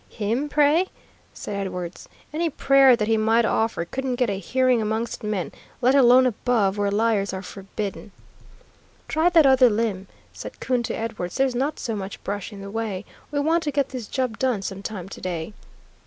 him pray?" said Edwards. "Any prayer that he might offer couldn't get a hearing amongst men, let alone above, where liars are forbidden." "Try that other limb," said Coon to Edwards; "there's not so much brush in the way; we want to get this job done sometime to day."